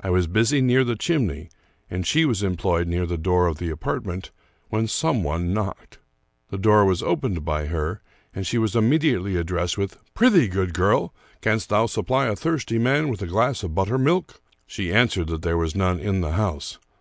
I was busy near the chimney, and she was employed near the door of the apartment, when some one knocked. The door was opened by her, and she was immediately addressed with, " Prythee, good girl, canst thou supply a thirsty man with a glass of buttermilk? " She answered that there was none in the house.